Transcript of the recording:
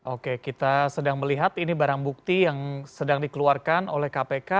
oke kita sedang melihat ini barang bukti yang sedang dikeluarkan oleh kpk